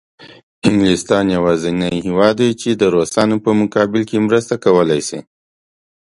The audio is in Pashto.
انګلستان یوازینی هېواد دی چې د روسانو په مقابل کې مرسته کولای شي.